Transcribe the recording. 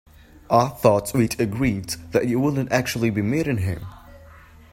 I thought we'd agreed that you wouldn't actually be meeting him?